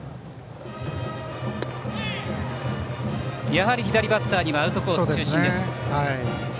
やはり左バッターにはアウトコース中心です。